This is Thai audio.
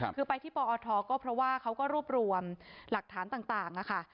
คือไปที่ปอทก็เพราะว่าเขาก็รวบรวมหลักฐานต่างค่ะ